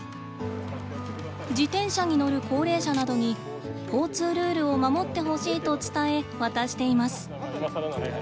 自転車に乗る高齢者などに交通ルールを守ってほしいと伝え渡しています。